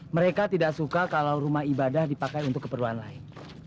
mereka tidak suka kalau rumah ibadah dipakai untuk keperluan lain